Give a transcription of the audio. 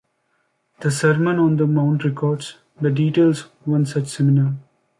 The Sermon on the Mount records the details one such seminar.